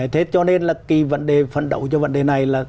thế cho nên là cái vấn đề phấn đấu cho vấn đề này là